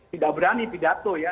tidak berani pidato ya